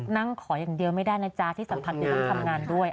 นั่งขออย่างเดียวไม่ได้นะจ๊ะที่สำคัญคือต้องทำงานด้วย